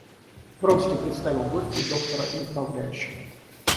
Вронский представил гостье доктора и управляющего.